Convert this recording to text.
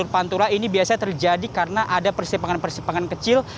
pantura ini biasanya terjadi karena ada persimpangan persimpangan kecil